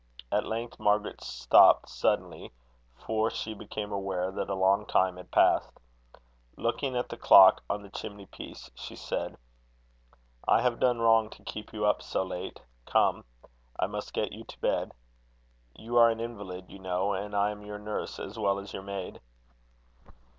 At length, Margaret stopped suddenly, for she became aware that a long time had passed. Looking at the clock on the chimney piece, she said: "I have done wrong to keep you up so late. Come I must get you to bed. You are an invalid, you know, and I am your nurse as well as your maid."